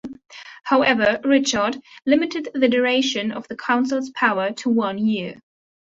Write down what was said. However, Richard limited the duration of the Council's powers to one year.